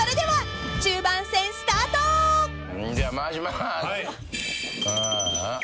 はい。